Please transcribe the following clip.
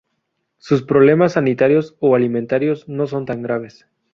Sus problemas sanitarios o alimentarios no son tan graves.